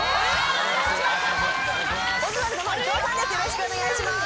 よろしくお願いします。